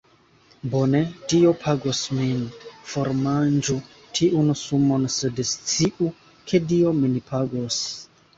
Bone, Dio pagos min. Formanĝu tiun sumon sed sciu ke Dio min pagos